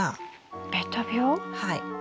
はい。